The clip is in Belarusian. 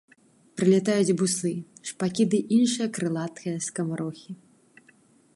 Прылятаюць буслы, шпакі ды іншыя крылатыя скамарохі.